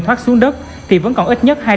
thoát xuống đất thì vẫn còn ít nhất